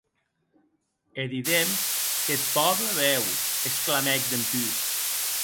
E didem qu'eth pòble beu!, exclamèc dempús.